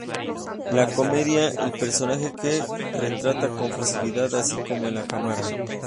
La comedia, el personaje que retrata con facilidad, así como en la cámara.